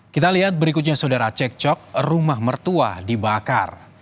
kita lihat berikutnya saudara cek cok rumah mertua dibakar